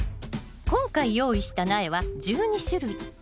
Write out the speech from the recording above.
今回用意した苗は１２種類。